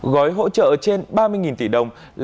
gói hỗ trợ trên ba mươi tỷ đồng